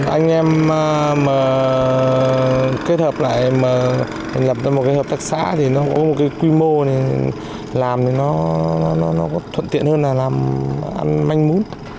anh em mà kết hợp lại mà mình lập ra một cái hợp tác xã thì nó có một cái quy mô làm thì nó có thuận tiện hơn là làm ăn manh mút